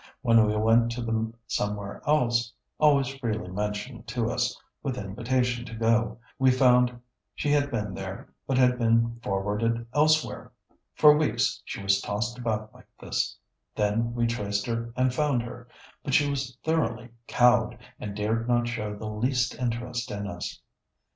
When we went to the somewhere else (always freely mentioned to us, with invitation to go), we found she had been there, but had been forwarded elsewhere. For weeks she was tossed about like this; then we traced her and found her. But she was thoroughly cowed, and dared not show the least interest in us....